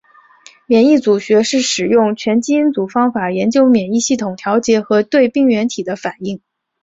免疫组学是使用全基因组方法研究免疫系统调节和对病原体的反应。